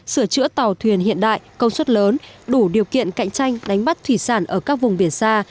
sửa chữa tàu thuyền hiện đại công suất lớn đủ điều kiện cạnh tranh đánh bắt thủy sản ở các vùng biển xa